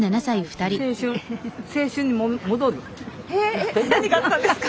へえ何があったんですか？